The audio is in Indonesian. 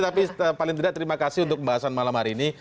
tapi paling tidak terima kasih untuk pembahasan malam hari ini